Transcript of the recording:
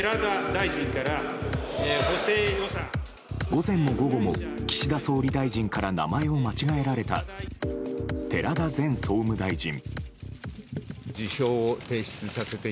午前も午後も岸田総理大臣から名前を間違えられた寺田前総務大臣。